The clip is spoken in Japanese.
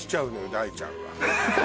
大ちゃんは。